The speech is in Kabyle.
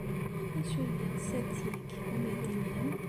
D acu ay yeɣs ad t-yeg umidi-nnem?